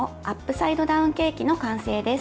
サイドダウンケーキの完成です。